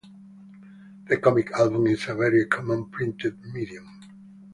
The "comic album" is a very common printed medium.